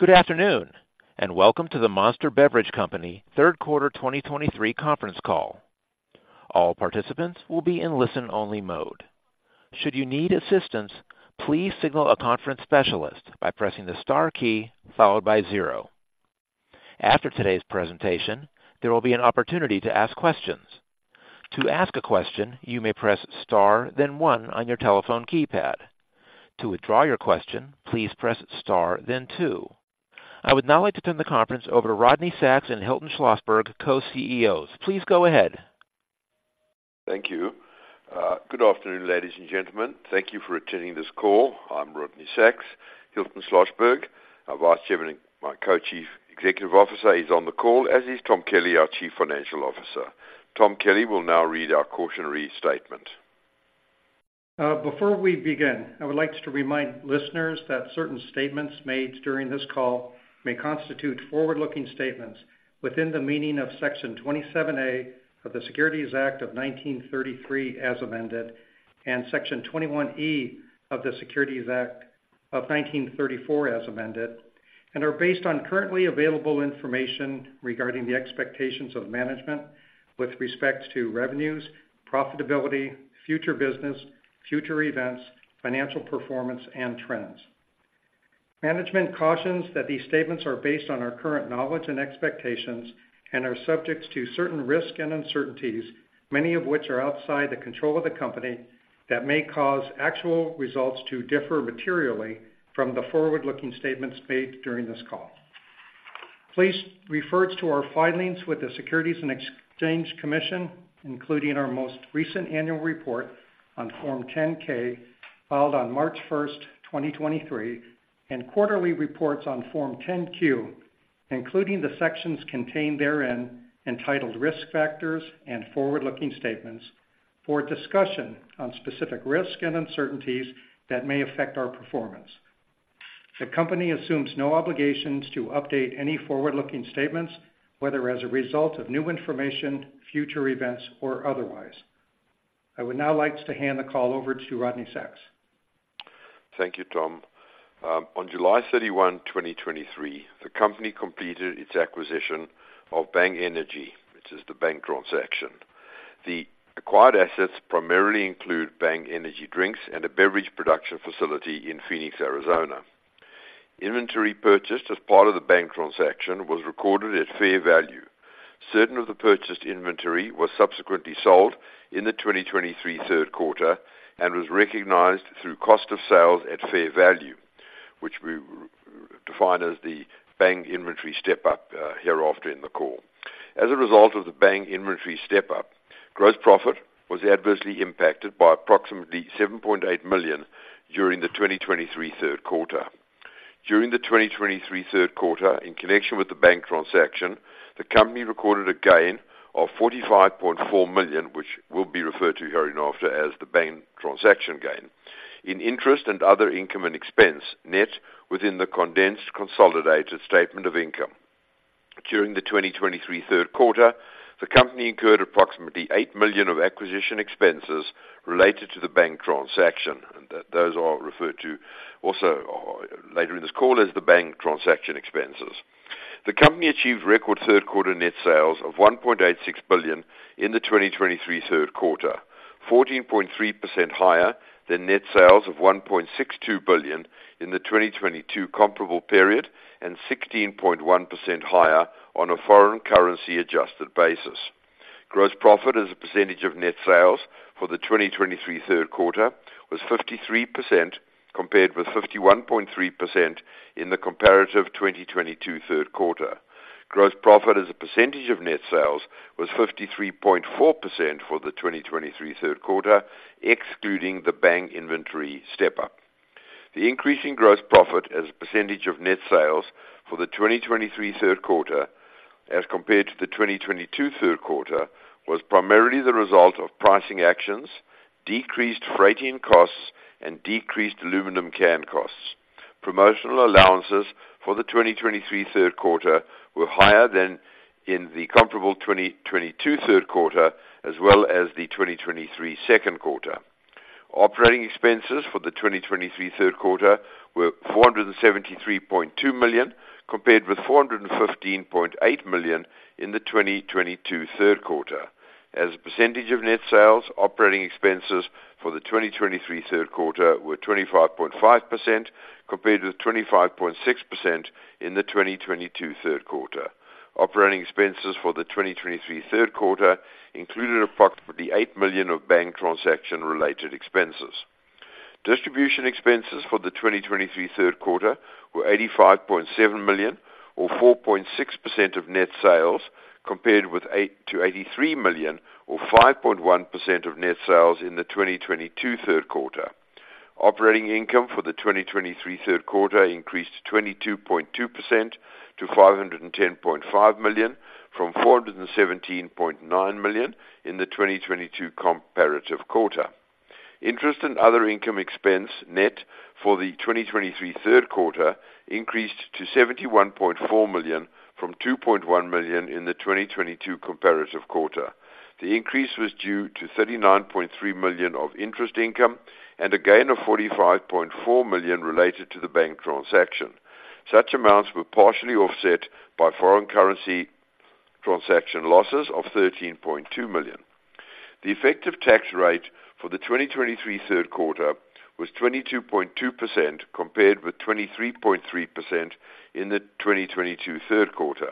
Good afternoon, and welcome to the Monster Beverage Company Third Quarter 2023 Conference Call. All participants will be in listen-only mode. Should you need assistance, please signal a conference specialist by pressing the star key followed by zero. After today's presentation, there will be an opportunity to ask questions. To ask a question, you may press star then one on your telephone keypad. To withdraw your question, please press star then two. I would now like to turn the conference over to Rodney Sacks and Hilton Schlosberg, Co-CEOs. Please go ahead. Thank you. Good afternoon, ladies and gentlemen. Thank you for attending this call. I'm Rodney Sacks. Hilton Schlosberg, our Vice Chairman and my Co-Chief Executive Officer, is on the call, as is Tom Kelly, our Chief Financial Officer. Tom Kelly will now read our cautionary statement. Before we begin, I would like to remind listeners that certain statements made during this call may constitute forward-looking statements within the meaning of Section 27A of the Securities Act of 1933, as amended, and Section 21E of the Securities Act of 1934, as amended, and are based on currently available information regarding the expectations of management with respect to revenues, profitability, future business, future events, financial performance, and trends. Management cautions that these statements are based on our current knowledge and expectations and are subject to certain risks and uncertainties, many of which are outside the control of the company, that may cause actual results to differ materially from the forward-looking statements made during this call. Please refer to our filings with the Securities and Exchange Commission, including our most recent annual report on Form 10-K, filed on March 1, 2023, and quarterly reports on Form 10-Q, including the sections contained therein, entitled Risk Factors and Forward-Looking Statements, for a discussion on specific risks and uncertainties that may affect our performance. The company assumes no obligations to update any forward-looking statements, whether as a result of new information, future events, or otherwise. I would now like to hand the call over to Rodney Sacks. Thank you, Tom. On July 31, 2023, the company completed its acquisition of Bang Energy, which is the Bang transaction. The acquired assets primarily include Bang Energy drinks and a beverage production facility in Phoenix, Arizona. Inventory purchased as part of the Bang transaction was recorded at fair value. Certain of the purchased inventory was subsequently sold in the 2023 third quarter and was recognized through cost of sales at fair value, which we define as the Bang inventory step-up hereafter in the call. As a result of the Bang inventory step-up, gross profit was adversely impacted by approximately $7.8 million during the 2023 third quarter. During the 2023 third quarter, in connection with the Bang transaction, the company recorded a gain of $45.4 million, which will be referred to hereinafter as the Bang transaction gain. In interest and other income and expense net within the condensed consolidated statement of income. During the 2023 third quarter, the company incurred approximately $8 million of acquisition expenses related to the Bang transaction, and those are referred to also later in this call, as the Bang transaction expenses. The company achieved record third quarter net sales of $1.86 billion in the 2023 third quarter, 14.3% higher than net sales of $1.62 billion in the 2022 comparable period and 16.1% higher on a foreign currency adjusted basis. Gross profit as a percentage of net sales for the 2023 third quarter was 53%, compared with 51.3% in the comparative 2022 third quarter. Gross profit as a percentage of net sales was 53.4% for the 2023 third quarter, excluding the Bang inventory step-up. The increase in gross profit as a percentage of net sales for the 2023 third quarter as compared to the 2022 third quarter, was primarily the result of pricing actions, decreased freighting costs, and decreased aluminum can costs. Promotional allowances for the 2023 third quarter were higher than in the comparable 2022 third quarter, as well as the 2023 second quarter. Operating expenses for the 2023 third quarter were $473.2 million, compared with $415.8 million in the 2022 third quarter. As a percentage of net sales, operating expenses for the 2023 third quarter were 25.5%, compared with 25.6% in the 2022 third quarter. Operating expenses for the 2023 third quarter included approximately $8 million of Bang transaction-related expenses. Distribution expenses for the 2023 third quarter were $85.7 million or 4.6% of net sales, compared with $80-$83 million or 5.1% of net sales in the 2022 third quarter. Operating income for the 2023 third quarter increased to 22.2% to $510.5 million from $417.9 million in the 2022 comparative quarter. Interest and other income expense net for the 2023 third quarter increased to $71.4 million from $2.1 million in the 2022 comparative quarter. The increase was due to $39.3 million of interest income and a gain of $45.4 million related to the Bang transaction. Such amounts were partially offset by foreign currency transaction losses of $13.2 million. The effective tax rate for the 2023 third quarter was 22.2%, compared with 23.3% in the 2022 third quarter.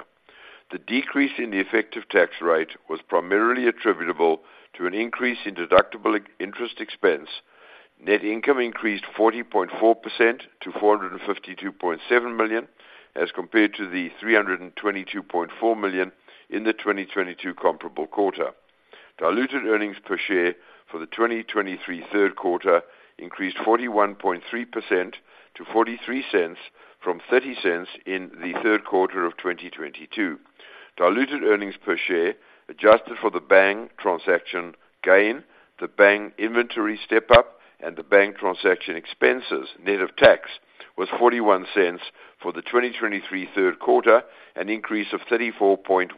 The decrease in the effective tax rate was primarily attributable to an increase in deductible interest expense. Net income increased 40.4% to $452.7 million, as compared to the $322.4 million in the 2022 comparable quarter. Diluted earnings per share for the 2023 third quarter increased 41.3% to $0.43, from $0.30 in the third quarter of 2022. Diluted earnings per share, adjusted for the Bang transaction gain, the Bang inventory step-up, and the Bang transaction expenses, net of tax, was $0.41 for the 2023 third quarter, an increase of 34.1%.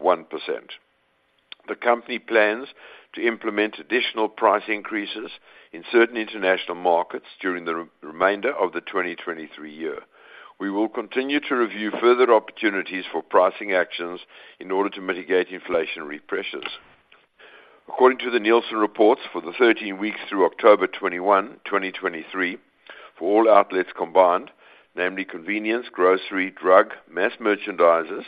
The company plans to implement additional price increases in certain international markets during the remainder of the 2023 year. We will continue to review further opportunities for pricing actions in order to mitigate inflationary pressures. According to the Nielsen reports, for the 13 weeks through October 21, 2023, for all outlets combined, namely convenience, grocery, drug, mass merchandisers,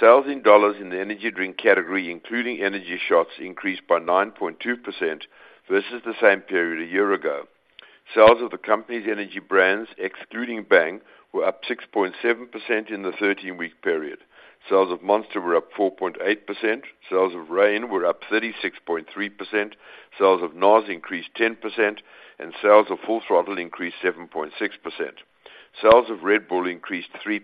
sales in dollars in the energy drink category, including energy shots, increased by 9.2% versus the same period a year ago. Sales of the company's energy brands, excluding Bang, were up 6.7% in the 13-week period. Sales of Monster were up 4.8%, sales of Reign were up 36.3%, sales of NOS increased 10%, and sales of Full Throttle increased 7.6%. Sales of Red Bull increased 3%.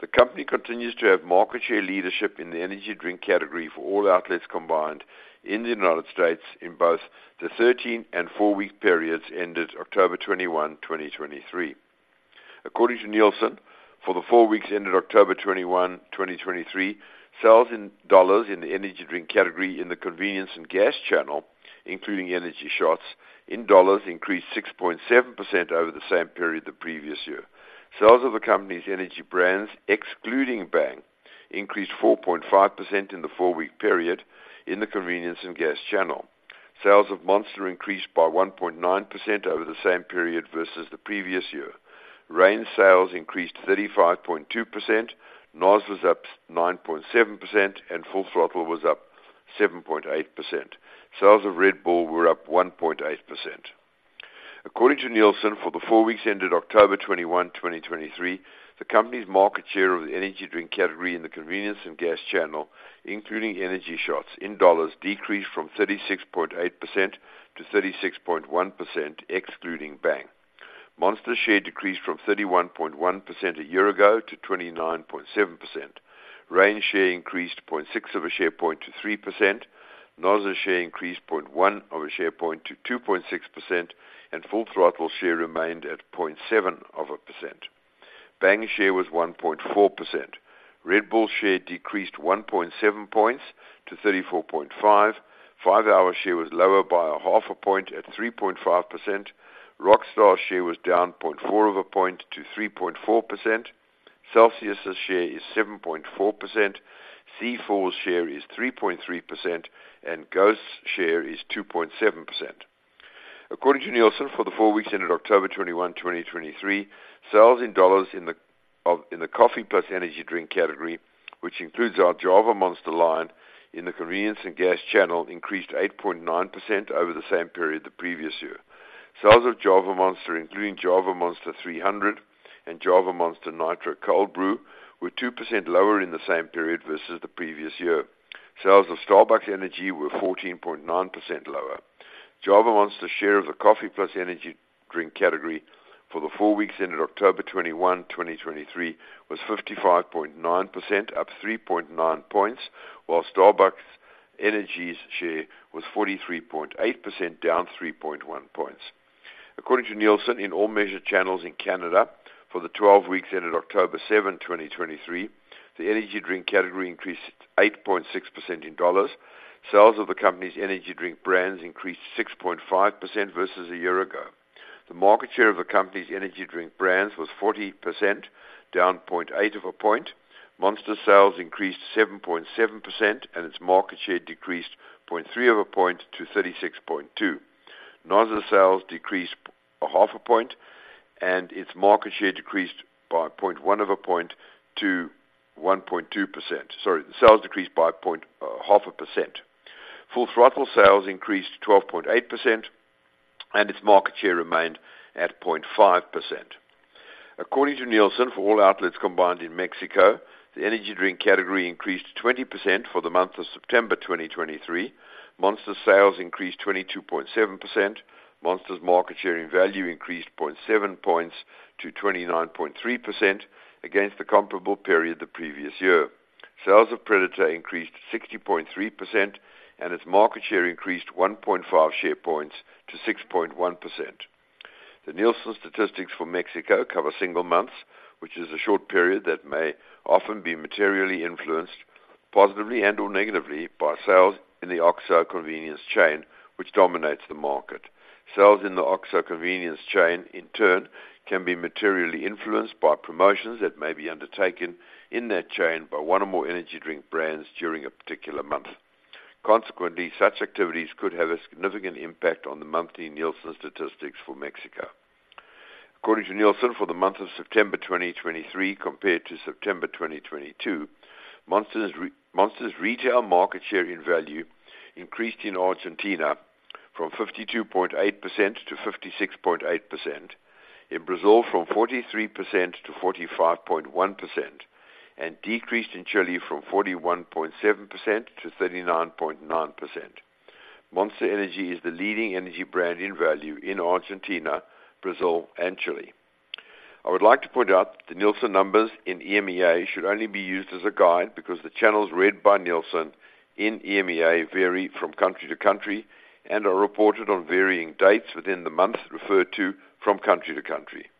The company continues to have market share leadership in the energy drink category for all outlets combined in the United States in both the 13- and 4-week periods ended October 21, 2023. According to Nielsen, for the 4 weeks ended October 21, 2023, sales in dollars in the energy drink category in the convenience and gas channel, including energy shots in dollars, increased 6.7% over the same period the previous year. Sales of the company's energy brands, excluding Bang, increased 4.5% in the four-week period in the convenience and gas channel. Sales of Monster increased by 1.9% over the same period versus the previous year. Reign sales increased 35.2%, NOS was up 9.7%, and Full Throttle was up 7.8%. Sales of Red Bull were up 1.8%. According to Nielsen, for the four weeks ended October 21, 2023, the company's market share of the energy drink category in the convenience and gas channel, including energy shots in dollars, decreased from 36.8%-36.1%, excluding Bang. Monster share decreased from 31.1% a year ago to 29.7%. Reign share increased 0.6 of a share point to 3%. NOS's share increased 0.1 share point to 2.6%, and Full Throttle share remained at 0.7%. Bang share was 1.4%. Red Bull share decreased 1.7 points to 34.5. 5 Hour share was lower by 0.5 point at 3.5%. Rockstar share was down 0.4 of a point to 3.4%. Celsius' share is 7.4%, C4's share is 3.3%, and Ghost's share is 2.7%. According to Nielsen, for the four weeks ended October 21, 2023, sales in dollars in the in the coffee plus energy drink category, which includes our Java Monster line in the convenience and gas channel, increased 8.9% over the same period the previous year. Sales of Java Monster, including Java Monster 300 and Java Monster Nitro Cold Brew, were 2% lower in the same period versus the previous year. Sales of Starbucks Energy were 14.9% lower. Java Monster's share of the coffee plus energy drink category for the four weeks ended October 21, 2023, was 55.9%, up 3.9 points, while Starbucks Energy's share was 43.8%, down 3.1 points. According to Nielsen, in all measured channels in Canada for the twelve weeks ended October 7, 2023, the energy drink category increased 8.6% in dollars. Sales of the company's energy drink brands increased 6.5% versus a year ago. The market share of the company's energy drink brands was 40%, down 0.8 of a point. Monster sales increased 7.7%, and its market share decreased 0.3 of a point to 36.2. NOS sales decreased a half a point, and its market share decreased by 0.1 of a point to 1.2%. Sorry, the sales decreased by 0.5%. Full Throttle sales increased 12.8%, and its market share remained at 0.5%. According to Nielsen, for all outlets combined in Mexico, the energy drink category increased 20% for the month of September 2023. Monster sales increased 22.7%. Monster's market share in value increased 0.7 points to 29.3% against the comparable period the previous year. Sales of Predator increased 60.3%, and its market share increased 1.5 share points to 6.1%. The Nielsen statistics for Mexico cover single months, which is a short period that may often be materially influenced, positively and/or negatively, by sales in the OXXO convenience chain, which dominates the market. Sales in the OXXO convenience chain, in turn, can be materially influenced by promotions that may be undertaken in that chain by one or more energy drink brands during a particular month. Consequently, such activities could have a significant impact on the monthly Nielsen statistics for Mexico. According to Nielsen, for the month of September 2023, compared to September 2022, Monster's retail market share in value increased in Argentina from 52.8%-56.8%, in Brazil from 43%-45.1%, and decreased in Chile from 41.7%-39.9%. Monster Energy is the leading energy brand in value in Argentina, Brazil, and Chile. I would like to point out, the Nielsen numbers in EMEA should only be used as a guide, because the channels read by Nielsen in EMEA vary from country to country and are reported on varying dates within the month referred to from country to country.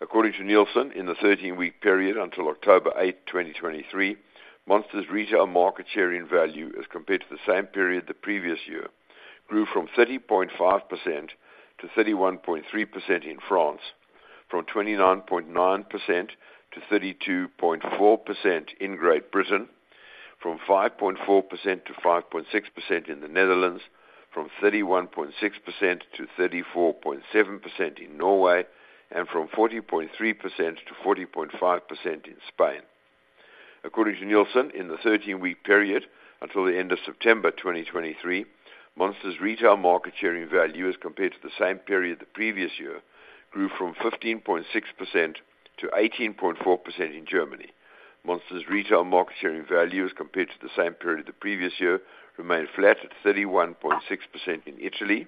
According to Nielsen, in the 13-week period until October 8, 2023, Monster's retail market share in value, as compared to the same period the previous year, grew from 30.5%-31.3% in France, from 29.9%-32.4% in Great Britain, from 5.4%-5.6% in the Netherlands, from 31.6%-34.7% in Norway, and from 40.3%-40.5% in Spain. According to Nielsen, in the 13-week period until the end of September 2023, Monster's retail market share in value, as compared to the same period the previous year, grew from 15.6%-18.4% in Germany. Monster's retail market share in value, as compared to the same period the previous year, remained flat at 31.6% in Italy.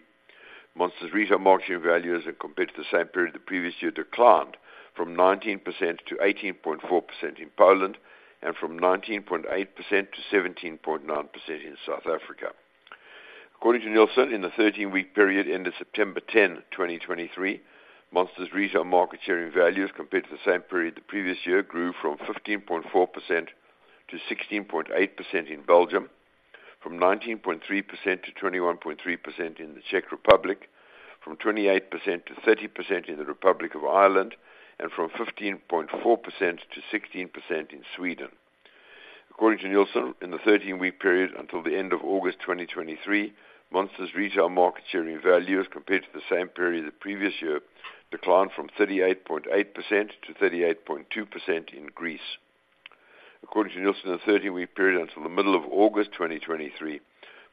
Monster's retail market share in value, as compared to the same period the previous year, declined from 19%-18.4% in Poland and from 19.8%-17.9% in South Africa. According to Nielsen, in the 13-week period ended September 10, 2023, Monster's retail market share in value, as compared to the same period the previous year, grew from 15.4%-16.8% in Belgium, from 19.3%-21.3% in the Czech Republic, from 28%-30% in the Republic of Ireland, and from 15.4%-16% in Sweden. According to Nielsen, in the thirteen-week period until the end of August 2023, Monster's retail market share in value, as compared to the same period the previous year, declined from 38.8%-38.2% in Greece. According to Nielsen, in the thirteen-week period until the middle of August 2023,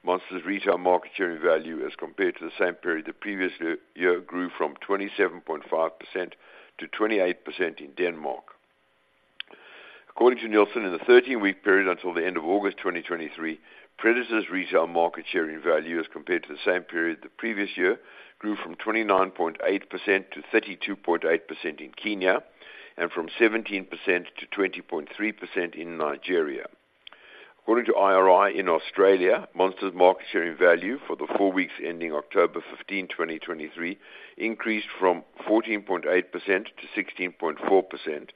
Monster's retail market share in value as compared to the same period the previous year, grew from 27.5%-28% in Denmark. According to Nielsen, in the thirteen-week period until the end of August 2023, Predator's retail market share in value, as compared to the same period the previous year, grew from 29.8%-32.8% in Kenya and from 17%-20.3% in Nigeria. According to IRI in Australia, Monster's market share in value for the four weeks ending October 15, 2023, increased from 14.8%-16.4%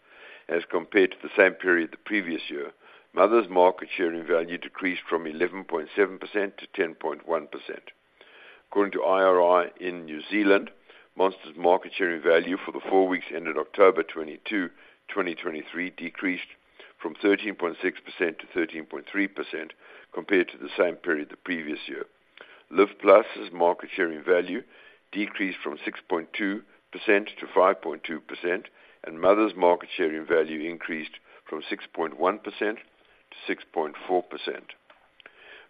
as compared to the same period the previous year. Mother's market share in value decreased from 11.7%-10.1%. According to IRI in New Zealand, Monster's market share in value for the four weeks ended October 22, 2023, decreased from 13.6%-13.3% compared to the same period the previous year. Live+'s market share in value decreased from 6.2%-5.2%, and Mother's market share in value increased from 6.1%-6.4%.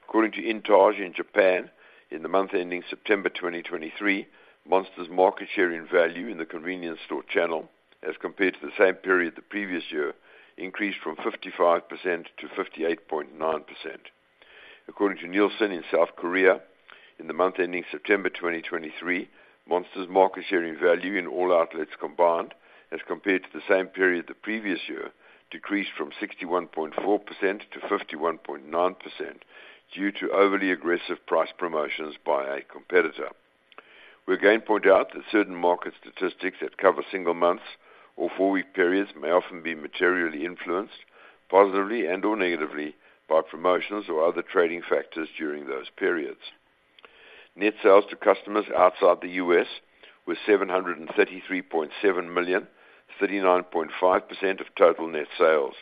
According to INTAGE in Japan, in the month ending September 2023, Monster's market share in value in the convenience store channel, as compared to the same period the previous year, increased from 55%-58.9%. According to Nielsen in South Korea, in the month ending September 2023, Monster's market share in value in all outlets combined, as compared to the same period the previous year, decreased from 61.4%-51.9% due to overly aggressive price promotions by a competitor. We again point out that certain market statistics that cover single months or four-week periods may often be materially influenced, positively and/or negatively, by promotions or other trading factors during those periods. Net sales to customers outside the U.S. were $733.7 million, 39.5% of total net sales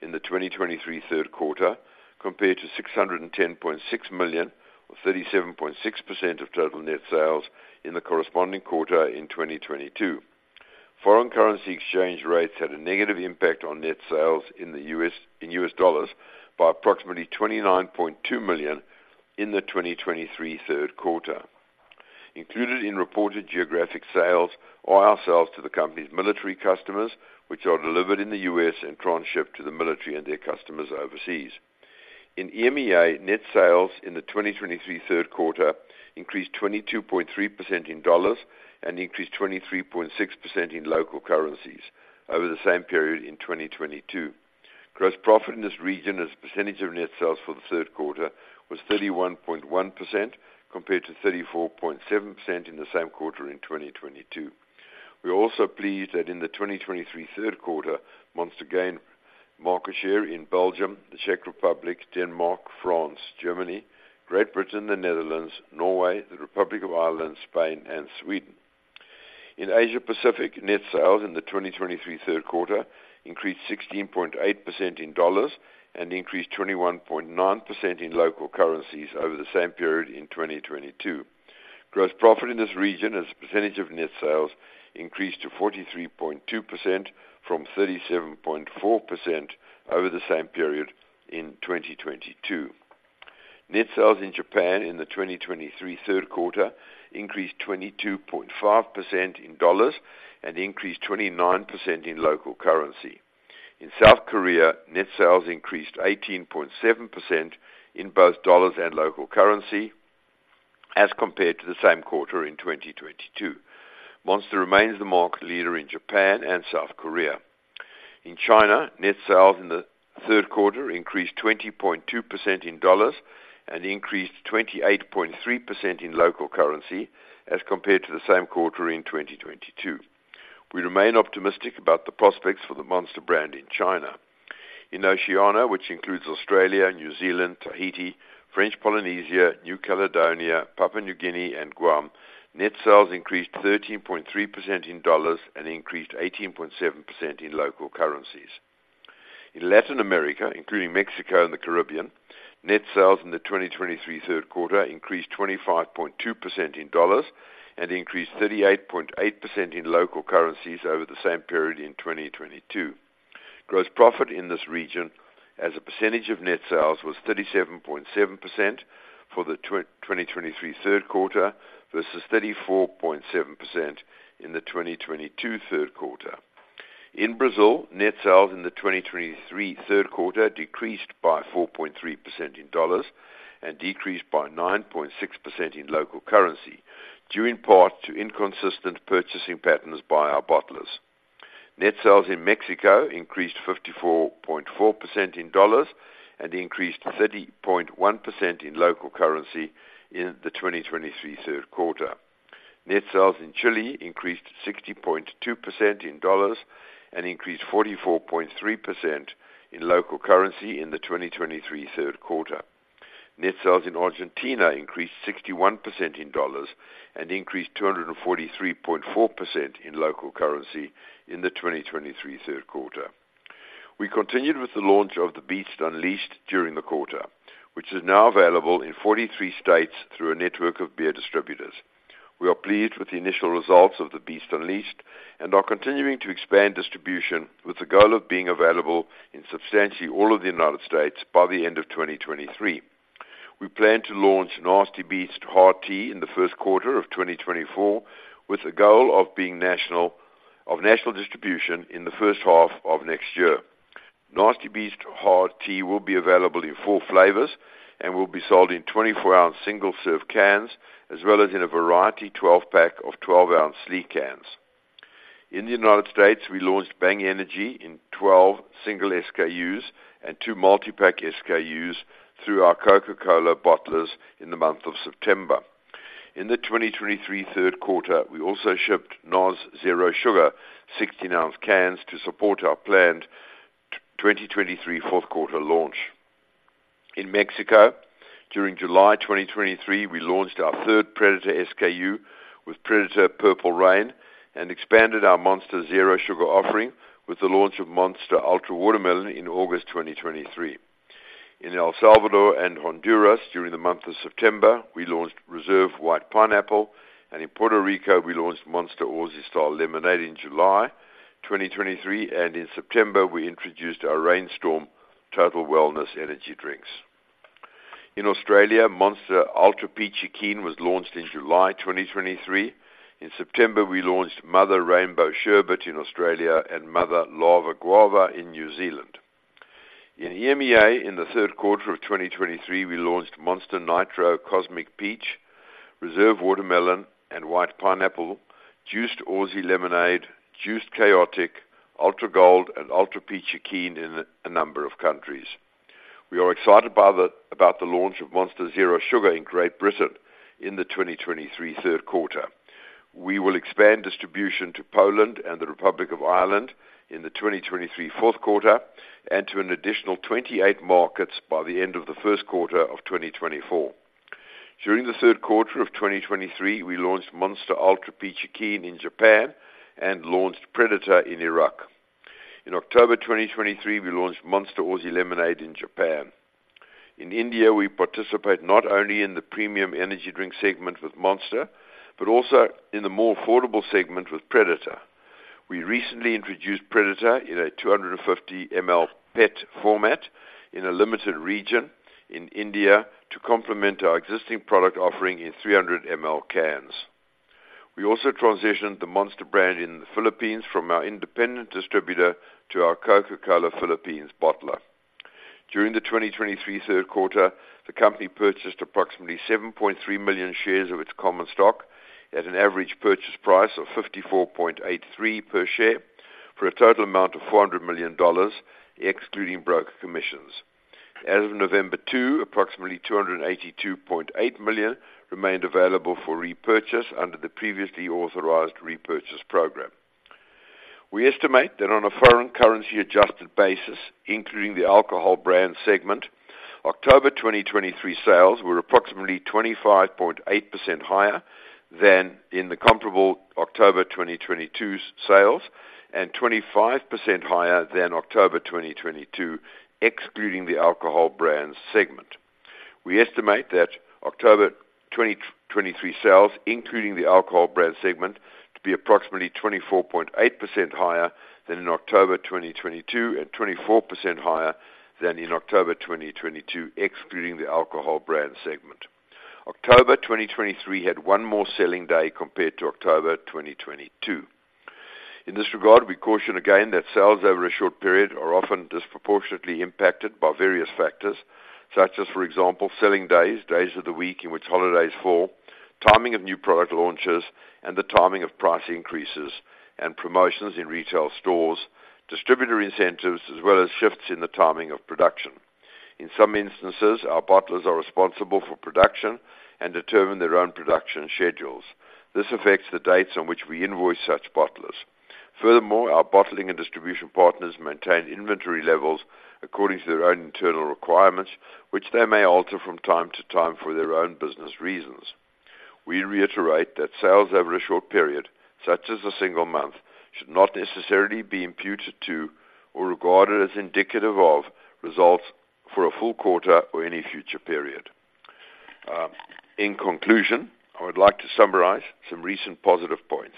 in the 2023 third quarter, compared to $610.6 million, or 37.6% of total net sales in the corresponding quarter in 2022. Foreign currency exchange rates had a negative impact on net sales in U.S. dollars by approximately $29.2 million in the 2023 third quarter. Included in reported geographic sales are our sales to the company's military customers, which are delivered in the U.S. and transshipped to the military and their customers overseas. In EMEA, net sales in the 2023 third quarter increased 22.3% in dollars and increased 23.6% in local currencies over the same period in 2022. Gross profit in this region, as a percentage of net sales for the third quarter, was 31.1%, compared to 34.7% in the same quarter in 2022. We are also pleased that in the 2023 third quarter, Monster gained market share in Belgium, the Czech Republic, Denmark, France, Germany, Great Britain, the Netherlands, Norway, the Republic of Ireland, Spain and Sweden. In Asia Pacific, net sales in the 2023 third quarter increased 16.8% in dollars and increased 21.9% in local currencies over the same period in 2022. Gross profit in this region as a percentage of net sales, increased to 43.2% from 37.4% over the same period in 2022. Net sales in Japan in the 2023 third quarter increased 22.5% in dollars and increased 29% in local currency. In South Korea, net sales increased 18.7% in both dollars and local currency as compared to the same quarter in 2022. Monster remains the market leader in Japan and South Korea. In China, net sales in the third quarter increased 20.2% in dollars and increased 28.3% in local currency as compared to the same quarter in 2022. We remain optimistic about the prospects for the Monster brand in China. In Oceania, which includes Australia, New Zealand, Tahiti, French Polynesia, New Caledonia, Papua New Guinea, and Guam, net sales increased 13.3% in dollars and increased 18.7% in local currencies. In Latin America, including Mexico and the Caribbean, net sales in the 2023 third quarter increased 25.2% in dollars and increased 38.8% in local currencies over the same period in 2022. Gross profit in this region as a percentage of net sales, was 37.7% for the 2023 third quarter, versus 34.7% in the 2022 third quarter. In Brazil, net sales in the 2023 third quarter decreased by 4.3% in dollars and decreased by 9.6% in local currency, due in part to inconsistent purchasing patterns by our bottlers. Net sales in Mexico increased 54.4% in dollars and increased 30.1% in local currency in the 2023 third quarter. Net sales in Chile increased 60.2% in dollars and increased 44.3% in local currency in the 2023 third quarter. Net sales in Argentina increased 61% in dollars and increased 243.4% in local currency in the 2023 third quarter. We continued with the launch of The Beast Unleashed during the quarter, which is now available in 43 states through a network of beer distributors. We are pleased with the initial results of The Beast Unleashed, and are continuing to expand distribution with the goal of being available in substantially all of the United States by the end of 2023. We plan to launch Nasty Beast Hard Tea in the first quarter of 2024, with the goal of national distribution in the first half of next year. Nasty Beast Hard Tea will be available in four flavors and will be sold in 24 oz single-serve cans, as well as in a variety 12-pack of 12 oz sleek cans. In the United States, we launched Bang Energy in 12 single SKUs and two multipack SKUs through our Coca-Cola bottlers in the month of September. In the 2023 third quarter, we also shipped NOS Zero Sugar 16 oz cans to support our planned 2023 fourth quarter launch. In Mexico, during July 2023, we launched our third Predator SKU with Predator Purple Rain and expanded our Monster Zero Sugar offering with the launch of Monster Ultra Watermelon in August 2023. In El Salvador and Honduras, during the month of September, we launched Reserve White Pineapple, and in Puerto Rico, we launched Monster Aussie Style Lemonade in July 2023, and in September, we introduced our Reign Storm total wellness energy drinks. In Australia, Monster Ultra Peach Iced Tea was launched in July 2023. In September, we launched Mother Rainbow Sherbet in Australia and Mother Lava Guava in New Zealand. In EMEA, in the third quarter of 2023, we launched Monster Nitro Cosmic Peach, Reserve Watermelon, and White Pineapple, Juiced Aussie Lemonade, Juiced Chaotic, Ultra Gold, and Ultra Peach Iced Tea in a number of countries. We are excited about the launch of Monster Zero Sugar in Great Britain in the 2023 third quarter. We will expand distribution to Poland and the Republic of Ireland in the 2023 fourth quarter, and to an additional 28 markets by the end of the first quarter of 2024. During the third quarter of 2023, we launched Monster Ultra Peach Iced Tea in Japan and launched Predator in Iraq. In October 2023, we launched Monster Aussie Lemonade in Japan. In India, we participate not only in the premium energy drink segment with Monster, but also in the more affordable segment with Predator. We recently introduced Predator in a 250 ml PET format in a limited region in India to complement our existing product offering in 300 ml cans. We also transitioned the Monster brand in the Philippines from our independent distributor to our Coca-Cola Philippines bottler. During the 2023 third quarter, the company purchased approximately 7.3 million shares of its common stock at an average purchase price of $54.83 per share, for a total amount of $400 million, excluding broker commissions. As of November 2, approximately 282.8 million remained available for repurchase under the previously authorized repurchase program. We estimate that on a foreign currency adjusted basis, including the alcohol brand segment, October 2023 sales were approximately 25.8% higher than in the comparable October 2022's sales, and 25% higher than October 2022, excluding the alcohol brand segment. We estimate that October 2023 sales, including the alcohol brand segment, to be approximately 24.8% higher than in October 2022, and 24% higher than in October 2022, excluding the alcohol brand segment. October 2023 had one more selling day compared to October 2022. In this regard, we caution again that sales over a short period are often disproportionately impacted by various factors, such as, for example, selling days, days of the week in which holidays fall, timing of new product launches, and the timing of price increases and promotions in retail stores, distributor incentives, as well as shifts in the timing of production. In some instances, our bottlers are responsible for production and determine their own production schedules. This affects the dates on which we invoice such bottlers. Furthermore, our bottling and distribution partners maintain inventory levels according to their own internal requirements, which they may alter from time to time for their own business reasons. We reiterate that sales over a short period, such as a single month, should not necessarily be imputed to or regarded as indicative of results for a full quarter or any future period. In conclusion, I would like to summarize some recent positive points.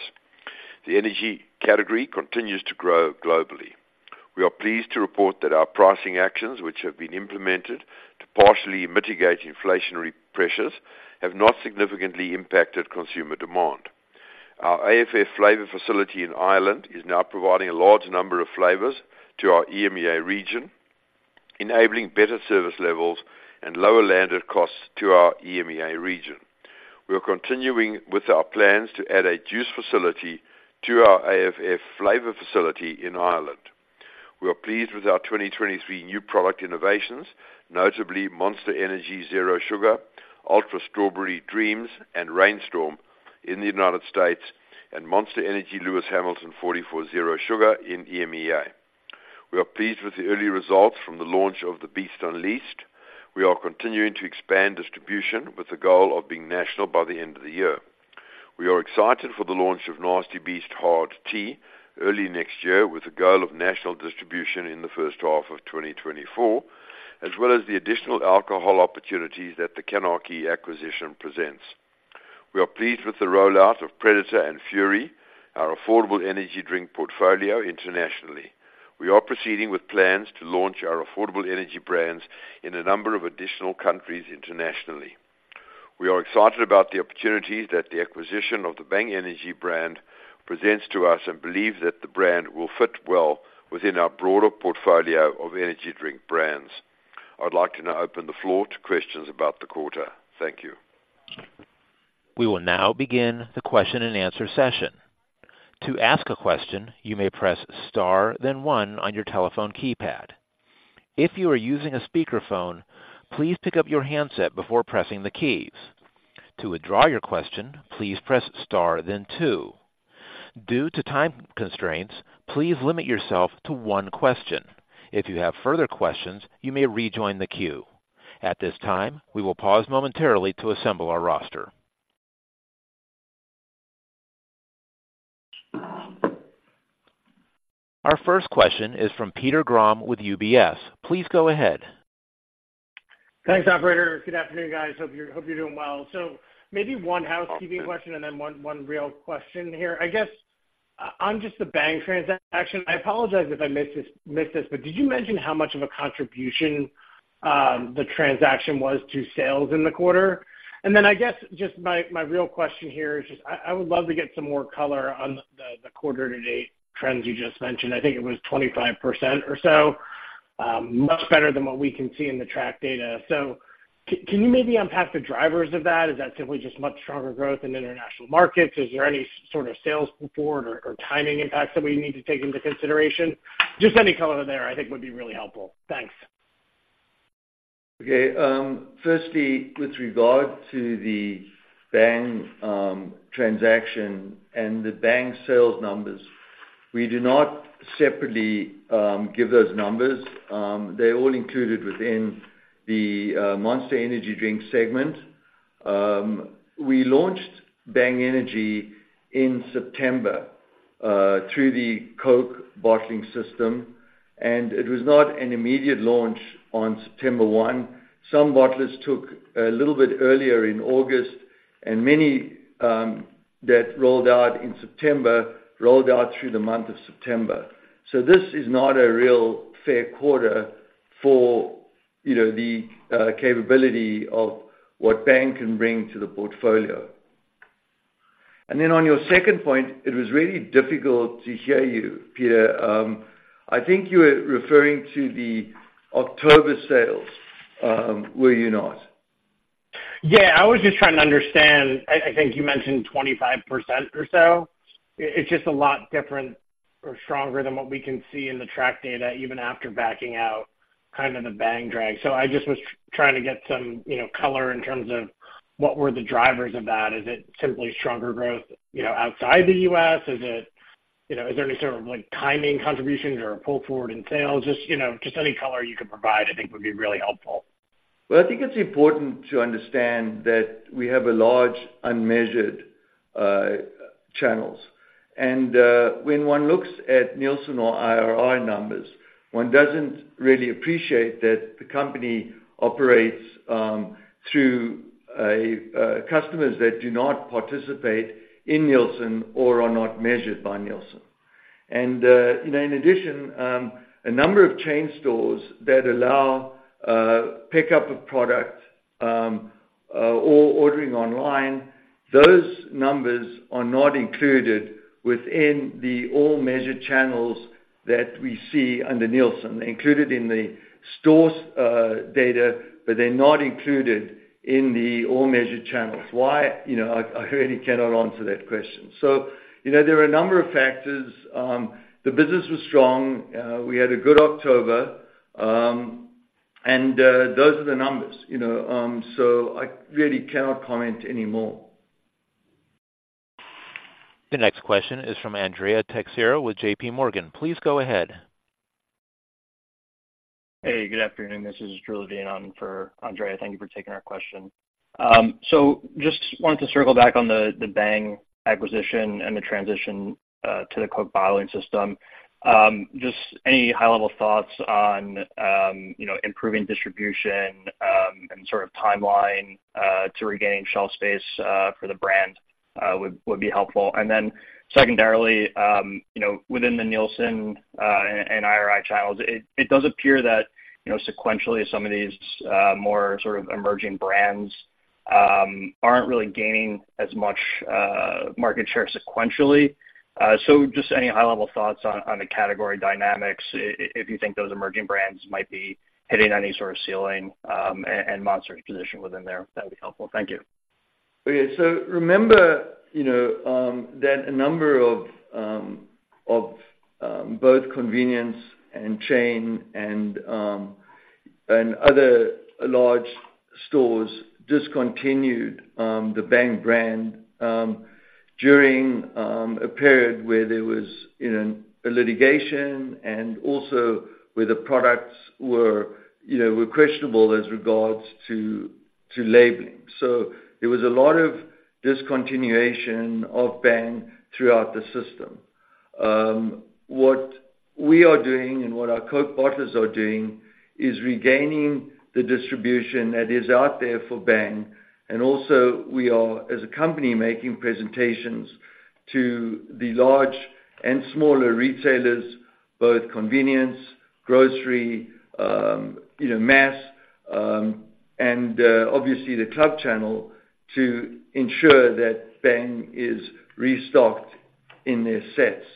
The energy category continues to grow globally. We are pleased to report that our pricing actions, which have been implemented to partially mitigate inflationary pressures, have not significantly impacted consumer demand. Our AFF flavor facility in Ireland is now providing a large number of flavors to our EMEA region, enabling better service levels and lower landed costs to our EMEA region. We are continuing with our plans to add a juice facility to our AFF flavor facility in Ireland. We are pleased with our 2023 new product innovations, notably Monster Energy Zero Sugar, Ultra Strawberry Dreams, and Reign Storm in the United States, and Monster Energy Lewis Hamilton 44 Zero Sugar in EMEA. We are pleased with the early results from the launch of the Beast Unleashed. We are continuing to expand distribution with the goal of being national by the end of the year. We are excited for the launch of Nasty Beast Hard Tea early next year, with the goal of national distribution in the first half of 2024, as well as the additional alcohol opportunities that the CANarchy acquisition presents. We are pleased with the rollout of Predator and Fury, our affordable energy drink portfolio internationally. We are proceeding with plans to launch our affordable energy brands in a number of additional countries internationally. We are excited about the opportunities that the acquisition of the Bang Energy brand presents to us and believe that the brand will fit well within our broader portfolio of energy drink brands. I'd like to now open the floor to questions about the quarter. Thank you. We will now begin the question-and-answer session. To ask a question, you may press star, then one on your telephone keypad. If you are using a speakerphone, please pick up your handset before pressing the keys. To withdraw your question, please press star then two. Due to time constraints, please limit yourself to one question. If you have further questions, you may rejoin the queue. At this time, we will pause momentarily to assemble our roster. Our first question is from Peter Grom with UBS. Please go ahead. Thanks, operator. Good afternoon, guys. Hope you're doing well. So maybe one housekeeping question and then one real question here. I guess, on just the Bang transaction, I apologize if I missed this, but did you mention how much of a contribution the transaction was to sales in the quarter? And then I guess, just my real question here is just I would love to get some more color on the quarter-to-date trends you just mentioned. I think it was 25% or so, much better than what we can see in the track data. So can you maybe unpack the drivers of that? Is that simply just much stronger growth in international markets? Is there any sort of sales forward or timing impacts that we need to take into consideration? Just any color there, I think, would be really helpful. Thanks. Okay. Firstly, with regard to the Bang transaction and the Bang sales numbers, we do not separately give those numbers. They're all included within the Monster Energy drink segment. We launched Bang Energy in September through the Coke bottling system, and it was not an immediate launch on September 1. Some bottlers took a little bit earlier in August, and many that rolled out in September, rolled out through the month of September. So this is not a real fair quarter for, you know, the capability of what Bang can bring to the portfolio. And then on your second point, it was really difficult to hear you, Peter. I think you were referring to the October sales, were you not? Yeah, I was just trying to understand. I, I think you mentioned 25% or so. It's just a lot different or stronger than what we can see in the track data, even after backing out kind of the Bang drag. So I just was trying to get some, you know, color in terms of what were the drivers of that. Is it simply stronger growth, you know, outside the U.S.? Is it, you know, is there any sort of, like, timing contributions or a pull forward in sales? Just, you know, just any color you could provide, I think, would be really helpful. Well, I think it's important to understand that we have a large unmeasured channels. When one looks at Nielsen or IRI numbers, one doesn't really appreciate that the company operates through a customers that do not participate in Nielsen or are not measured by Nielsen. You know, in addition, a number of chain stores that allow pickup of product or ordering online, those numbers are not included within the all measured channels that we see under Nielsen, included in the stores data, but they're not included in the all measured channels. Why? You know, I really cannot answer that question. So, you know, there are a number of factors. The business was strong, we had a good October, and those are the numbers, you know, so I really cannot comment any more. The next question is from Andrea Teixeira with JPMorgan. Please go ahead. Hey, good afternoon. This is Drew standing in for Andrea. Thank you for taking our question. So just wanted to circle back on the Bang acquisition and the transition to the Coke bottling system. Just any high-level thoughts on, you know, improving distribution and sort of timeline to regaining shelf space for the brand would be helpful. And then secondarily, you know, within the Nielsen and IRI channels, it does appear that, you know, sequentially, some of these more sort of emerging brands aren't really gaining as much market share sequentially. So just any high-level thoughts on the category dynamics, if you think those emerging brands might be hitting any sort of ceiling and Monster's position within there, that would be helpful. Thank you. Okay. So remember, you know, that a number of both convenience and chain and other large stores discontinued the Bang brand during a period where there was, you know, a litigation and also where the products were, you know, questionable as regards to labeling. So there was a lot of discontinuation of Bang throughout the system. What we are doing and what our Coke partners are doing is regaining the distribution that is out there for Bang. And also, we are, as a company, making presentations to the large and smaller retailers, both convenience, grocery, you know, mass and obviously the club channel, to ensure that Bang is restocked in their sets.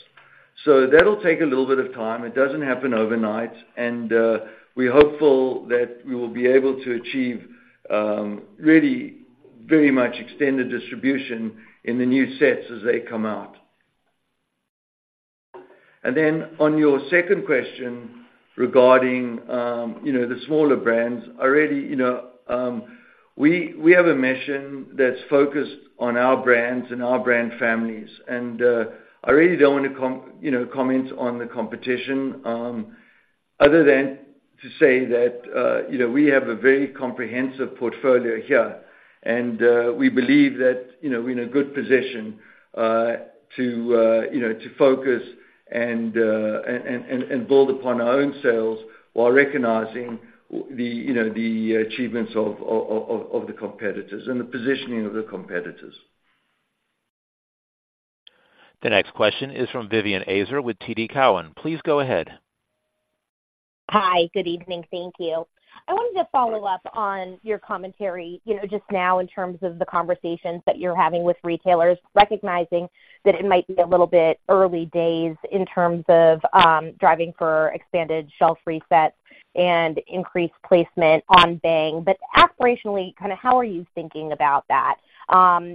So that'll take a little bit of time. It doesn't happen overnight, and we're hopeful that we will be able to achieve really very much extended distribution in the new sets as they come out. And then on your second question regarding, you know, the smaller brands, I really, you know, we have a mission that's focused on our brands and our brand families, and I really don't want to, you know, comment on the competition other than to say that, you know, we have a very comprehensive portfolio here, and we believe that, you know, we're in a good position to, you know, to focus and build upon our own sales while recognizing the, you know, the achievements of the competitors and the positioning of the competitors. The next question is from Vivien Azer with TD Cowen. Please go ahead. Hi, good evening. Thank you. I wanted to follow up on your commentary, you know, just now in terms of the conversations that you're having with retailers, recognizing that it might be a little bit early days in terms of driving for expanded shelf resets and increased placement on Bang. But aspirationally, kinda how are you thinking about that?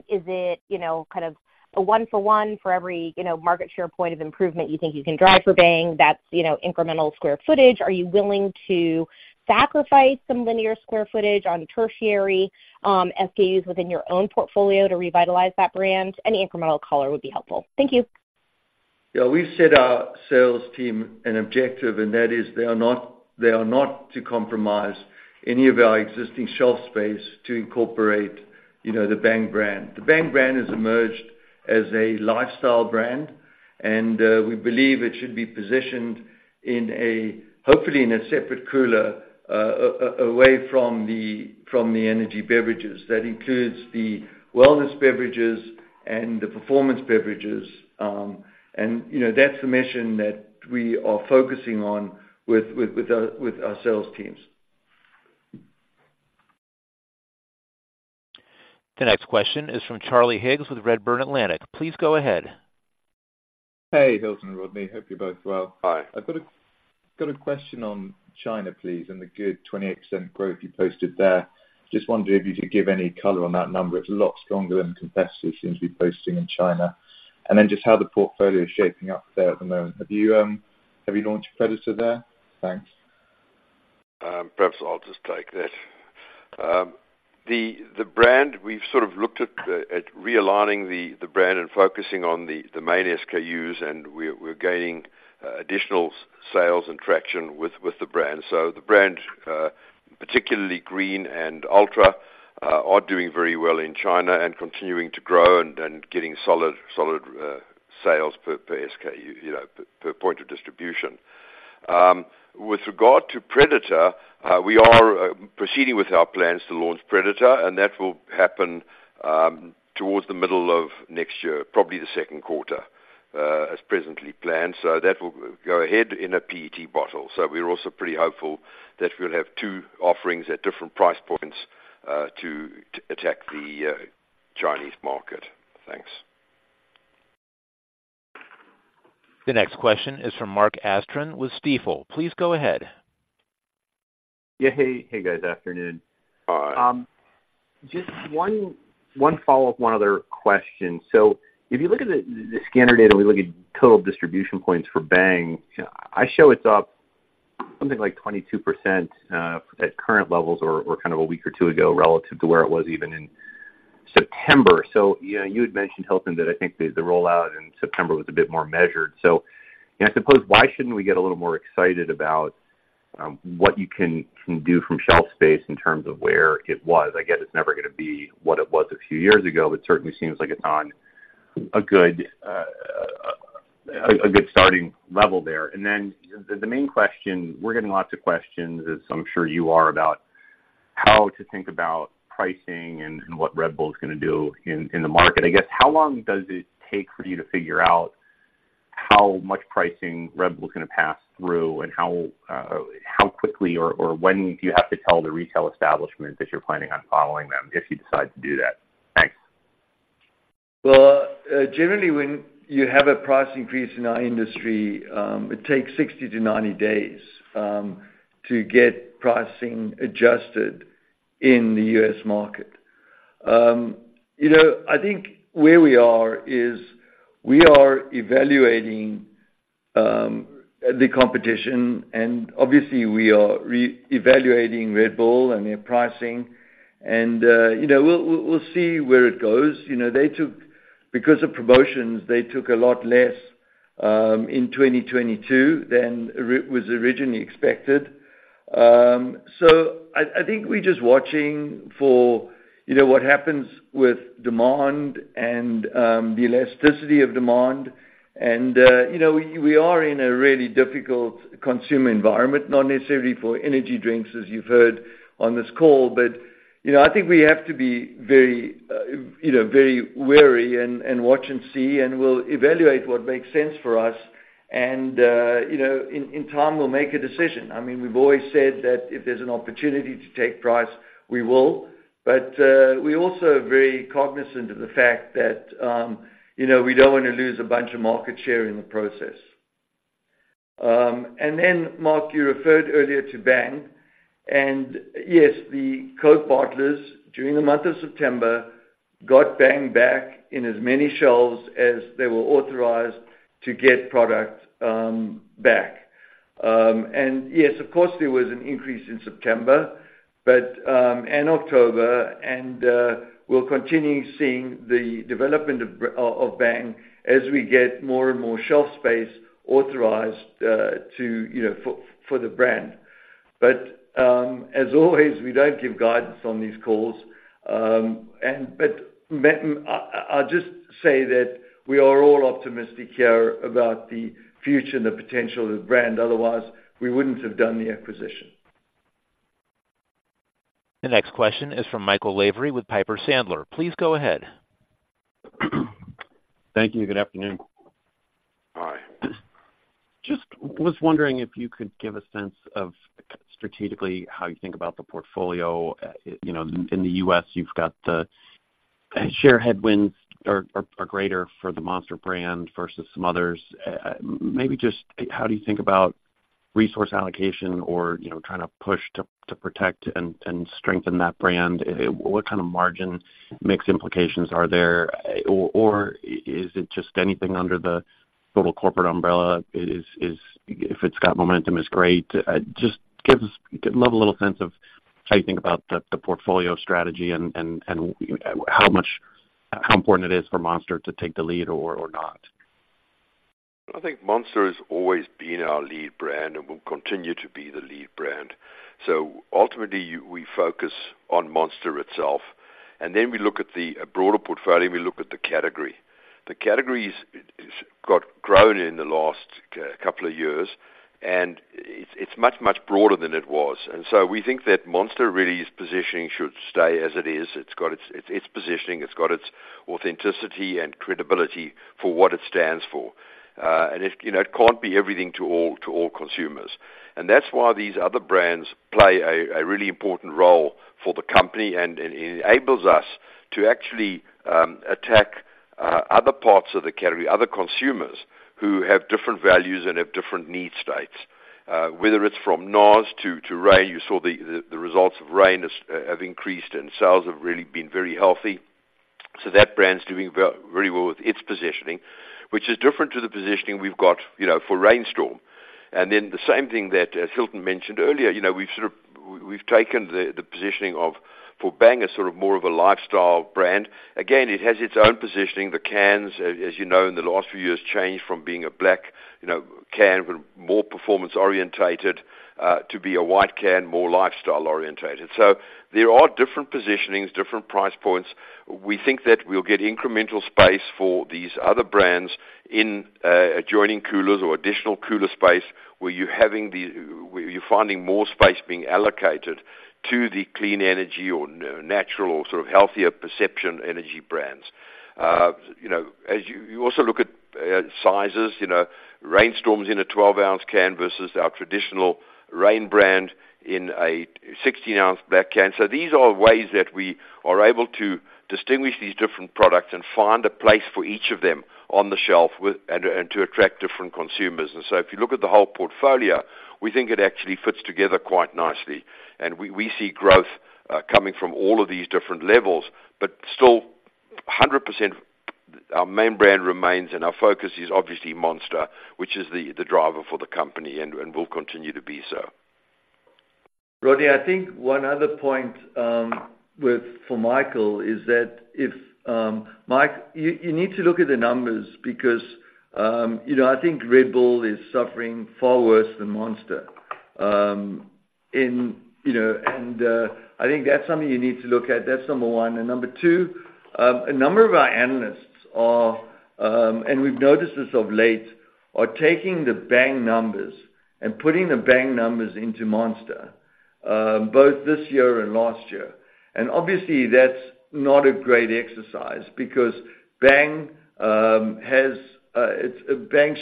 Is it, you know, kind of a one for one for every, you know, market share point of improvement you think you can drive for Bang that's, you know, incremental square footage? Are you willing to sacrifice some linear square footage on tertiary SKUs within your own portfolio to revitalize that brand? Any incremental color would be helpful. Thank you. Yeah, we've set our sales team an objective, and that is they are not to compromise any of our existing shelf space to incorporate, you know, the Bang brand. The Bang brand has emerged as a lifestyle brand, and we believe it should be positioned in a, hopefully, in a separate cooler, away from the energy beverages. That includes the wellness beverages and the performance beverages. And, you know, that's the mission that we are focusing on with our sales teams. The next question is from Charlie Higgs, with Redburn Atlantic. Please go ahead. Hey, Hilton and Rodney, hope you're both well. Hi. I've got a question on China, please, and the good 28% growth you posted there. Just wondering if you could give any color on that number. It's a lot stronger than the competitors seem to be posting in China. And then just how the portfolio is shaping up there at the moment. Have you, have you launched Predator there? Thanks. Perhaps I'll just take that. The brand, we've sort of looked at realigning the brand and focusing on the main SKUs, and we're gaining additional sales and traction with the brand. So the brand, particularly Green and Ultra, are doing very well in China and continuing to grow and getting solid sales per SKU, you know, per point of distribution. With regard to Predator, we are proceeding with our plans to launch Predator, and that will happen towards the middle of next year, probably the second quarter, as presently planned. So that will go ahead in a PET bottle. So we're also pretty hopeful that we'll have two offerings at different price points, to attack the Chinese market. Thanks. The next question is from Mark Astrachan with Stifel. Please go ahead. Yeah, hey, hey, guys. Afternoon. Hi. Just one follow-up, one other question. So if you look at the scanner data, we look at total distribution points for Bang, I show it's up something like 22%, at current levels or kind of a week or two ago, relative to where it was even in September. So, you know, you had mentioned, Hilton, that I think the rollout in September was a bit more measured. So, you know, I suppose, why shouldn't we get a little more excited about what you can do from shelf space in terms of where it was? I get it's never gonna be what it was a few years ago, but certainly seems like it's on a good starting level there. And then the main question... We're getting lots of questions, as I'm sure you are, about how to think about pricing and what Red Bull is gonna do in the market. I guess, how long does it take for you to figure out how much pricing Red Bull is gonna pass through? And how quickly or when do you have to tell the retail establishment that you're planning on following them, if you decide to do that? Thanks. Well, generally, when you have a price increase in our industry, it takes 60-90 days to get pricing adjusted in the U.S. market. You know, I think where we are is we are evaluating the competition, and obviously we are re-evaluating Red Bull and their pricing. And, you know, we'll see where it goes. You know, they took, because of promotions, they took a lot less in 2022 than was originally expected. So, I think we're just watching for, you know, what happens with demand and the elasticity of demand. And, you know, we are in a really difficult consumer environment, not necessarily for energy drinks, as you've heard on this call. But, you know, I think we have to be very, you know, very wary and, and watch and see, and we'll evaluate what makes sense for us. And, you know, in time, we'll make a decision. I mean, we've always said that if there's an opportunity to take price, we will. But, we're also very cognizant of the fact that, you know, we don't want to lose a bunch of market share in the process. And then, Mark, you referred earlier to Bang. And yes, the Coke bottlers, during the month of September, got Bang back in as many shelves as they were authorized to get product, back. And yes, of course, there was an increase in September, but, and October, and we'll continue seeing the development of Bang as we get more and more shelf space authorized, to, you know, for, for the brand. But, as always, we don't give guidance on these calls, and I'll just say that we are all optimistic here about the future and the potential of the brand. Otherwise, we wouldn't have done the acquisition. The next question is from Michael Lavery with Piper Sandler. Please go ahead. Thank you. Good afternoon. Hi. I was just wondering if you could give a sense of strategically how you think about the portfolio. You know, in the U.S., you've got the share headwinds are greater for the Monster brand versus some others. Maybe just how do you think about resource allocation or, you know, trying to push to protect and strengthen that brand? What kind of margin mix implications are there? Or is it just anything under the total corporate umbrella is. If it's got momentum, is great? Just give us. I'd love a little sense of how you think about the portfolio strategy and how important it is for Monster to take the lead or not. I think Monster has always been our lead brand and will continue to be the lead brand. So ultimately, we focus on Monster itself, and then we look at the broader portfolio, and we look at the category. The category is got grown in the last couple of years, and it's much broader than it was. And so we think that Monster really's positioning should stay as it is. It's got its positioning, it's got its authenticity and credibility for what it stands for. And it, you know, it can't be everything to all consumers. And that's why these other brands play a really important role for the company and enables us to actually attack other parts of the category, other consumers who have different values and have different need states. Whether it's from NOS to Reign, you saw the results of Reign has, have increased and sales have really been very healthy. ...So that brand's doing very, very well with its positioning, which is different to the positioning we've got, you know, for Reign Storm. And then the same thing that Hilton mentioned earlier, you know, we've sort of we've taken the the positioning of for Bang as sort of more of a lifestyle brand. Again, it has its own positioning. The cans, as you know, in the last few years, changed from being a black, you know, can with more performance-oriented to be a white can, more lifestyle-oriented. So there are different positionings, different price points. We think that we'll get incremental space for these other brands in adjoining coolers or additional cooler space, where you're having where you're finding more space being allocated to the clean energy or natural or sort of healthier perception energy brands. You know, as you, you also look at sizes, you know, Reign Storm's in a 12 oz can versus our traditional Reign brand in a 16 oz black can. So these are ways that we are able to distinguish these different products and find a place for each of them on the shelf with and to attract different consumers. And so if you look at the whole portfolio, we think it actually fits together quite nicely, and we see growth coming from all of these different levels, but still 100%, our main brand remains, and our focus is obviously Monster, which is the driver for the company and will continue to be so. Roddy, I think one other point with for Michael is that if Mike, you need to look at the numbers because you know, I think Red Bull is suffering far worse than Monster. And you know, I think that's something you need to look at. That's number 1. And number 2, a number of our analysts are and we've noticed this of late, are taking the Bang numbers and putting the Bang numbers into Monster both this year and last year. And obviously, that's not a great exercise because Bang's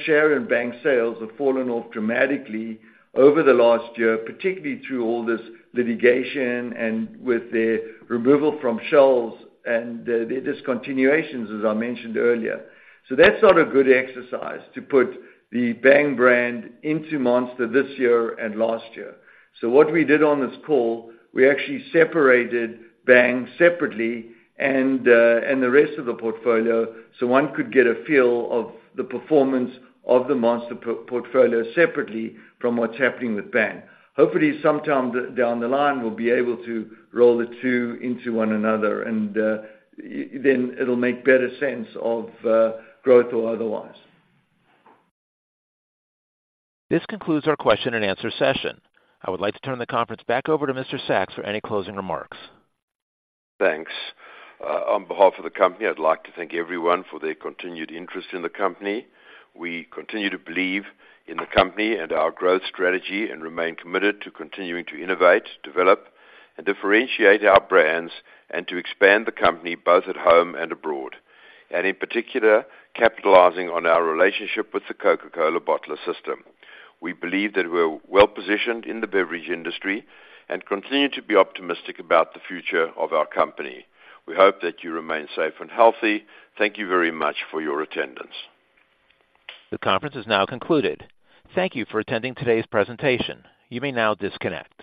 share and Bang's sales have fallen off dramatically over the last year, particularly through all this litigation and with the removal from shelves and the discontinuations, as I mentioned earlier. So that's not a good exercise to put the Bang brand into Monster this year and last year. So what we did on this call, we actually separated Bang separately and the rest of the portfolio, so one could get a feel of the performance of the Monster portfolio separately from what's happening with Bang. Hopefully, sometime down the line, we'll be able to roll the two into one another, and then it'll make better sense of growth or otherwise. This concludes our question and answer session. I would like to turn the conference back over to Mr. Sacks for any closing remarks. Thanks. On behalf of the company, I'd like to thank everyone for their continued interest in the company. We continue to believe in the company and our growth strategy and remain committed to continuing to innovate, develop, and differentiate our brands, and to expand the company both at home and abroad. In particular, capitalizing on our relationship with the Coca-Cola bottler system. We believe that we're well-positioned in the beverage industry and continue to be optimistic about the future of our company. We hope that you remain safe and healthy. Thank you very much for your attendance. The conference is now concluded. Thank you for attending today's presentation. You may now disconnect.